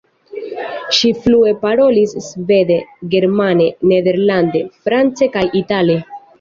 Ŝi flue parolis svede, germane, nederlande, france kaj itale.